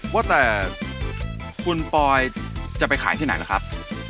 ว่าแต่คุณปอยจะไปขายที่ไหนล่ะครับ